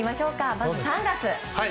まず３月。